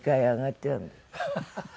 ハハハハ。